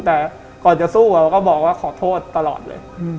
แต่ก่อนจะสู้เราก็บอกว่าขอโทษตลอดเลย